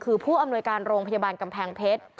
คือผู้อำนวยการโรงพยาบาลกำแพงเพชร